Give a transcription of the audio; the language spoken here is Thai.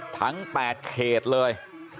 ทั้ง๘เขตเลย